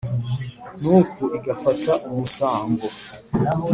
ntuku igafata umusango.